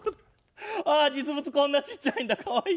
あ実物こんなちっちゃいんだかわいい。